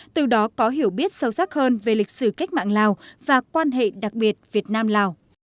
từ đó có hiểu biết sâu sắc hơn về lịch sử cách mạng lào và quan hệ đặc biệt việt nam lào